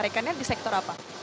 pertarikannya di sektor apa